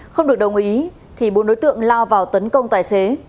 không được đồng ý thì bốn đối tượng lao vào tấn công tài xế